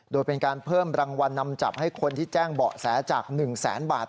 โดยเป็นการเพิ่มรางวัลนำจับให้คนที่แจ้งเบาะแสจาก๑แสนบาท